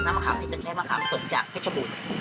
น้ำมะคามนี้จะใช้มะคามสนจากเผชะบุญ